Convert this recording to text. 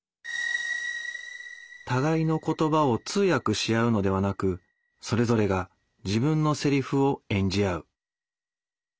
互いの言葉を通訳し合うのではなくそれぞれが自分のセリフを演じ合う。